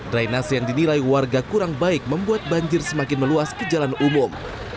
drainase yang dinilai warga kurang baik membuat banjir semakin meluas ke jalan umum